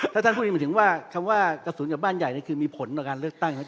ถ้าท่านพูดถึงว่าคำว่ากระสุนกับบ้านใหญ่คือมีผลกับการเลือกตั้ง